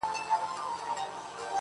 ده څومره ارزاني، ستا په لمن کي جانانه,